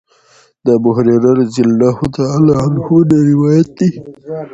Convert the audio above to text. د ابوهريره رضی الله عنه نه روايت دی